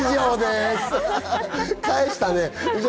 返したね。